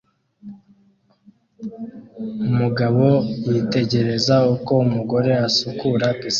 Umugabo yitegereza uko umugore asukura pisine